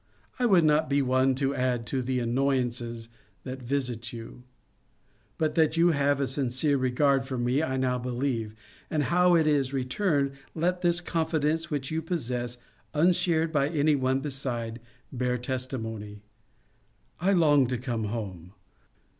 I would not be one to add to the annoyances that visit you ; but that you have a sincere regard for me I now believe, and how it is returned let this confidence which you possess, unshared by any one beside, bear testimony. I long to come home.